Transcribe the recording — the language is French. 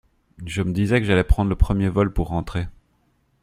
Je me disais que j’allais prendre le premier vol pour rentrer.